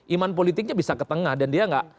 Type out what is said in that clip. iman politiknya bisa ke tengah dan dia nggak